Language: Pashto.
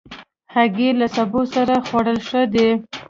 هګۍ له سبو سره خوړل ښه دي.